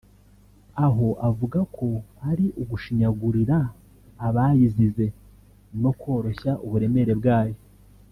aho avuga ko ari ugushinyagurira abayizize no koroshya uburemere bwayo